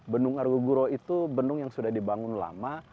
bendung argo guro itu bendung yang sudah dibangun lama